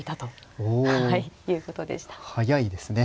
早いですね。